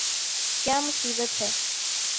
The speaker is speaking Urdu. !کیا مصیبت ہے